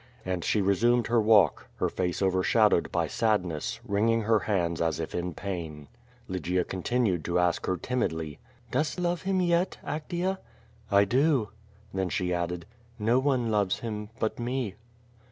And she resumed her walk, her face overshadowed by sad ness, wringing her hands as if in pain. 52 QUO VADI8. Lygia continued to ask her timidly: "Dost love him yet, Actea?" *'I do." Then she added, "No one loves him but me."